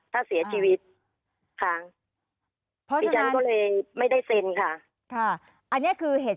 ถ้าเสียชีวิต